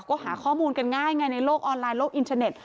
ก็หาข้อมูลกันง่ายไงในโลกออนไลน์โลกอินเทอร์เน็ต